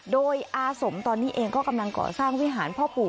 โดยอาสมตอนนี้เองก็กำลังก่อสร้างวิหารพ่อปู่